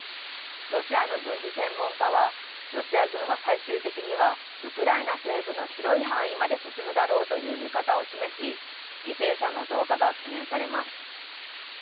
ロシアの軍事専門家は、ロシア軍は最終的には、ウクライナ西部の広い範囲まで進むだろうという見方を示し、犠牲者の増加が懸念されます。